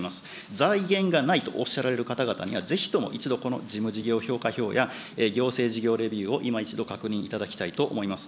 財源がないとおっしゃられる方々には、ぜひとも一度この事務事業評価票や、行政事業レビューを今一度確認いただきたいと思います。